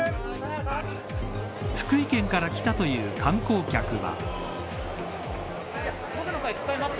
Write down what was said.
福井県から来たという観光客は。